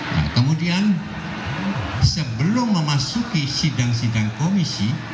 nah kemudian sebelum memasuki sidang sidang komisi